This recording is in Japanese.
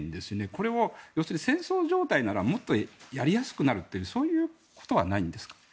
これを戦争状態ならもっとやりやすくなるというそういうことはないんですか？